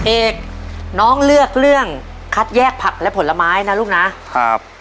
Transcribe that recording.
เอกน้องเลือกเรื่องคัดแยกผักและผลไม้นะลูกนะครับ